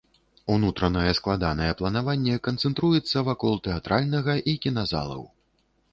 Унутранае складанае планаванне канцэнтруецца вакол тэатральнага і кіназалаў.